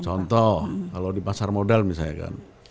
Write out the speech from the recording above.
contoh kalau di pasar modal misalnya kan